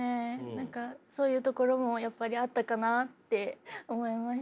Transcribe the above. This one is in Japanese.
何かそういうところもやっぱりあったかなって思いました。